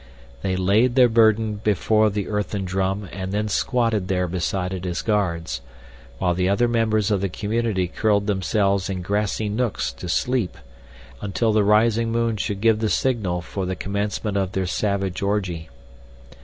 They laid their burden before the earthen drum and then squatted there beside it as guards, while the other members of the community curled themselves in grassy nooks to sleep until the rising moon should give the signal for the commencement of their savage orgy.